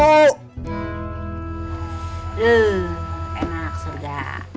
duh enak serga